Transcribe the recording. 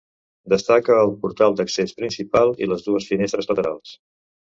Destaca el portal d'accés principal i les dues finestres laterals.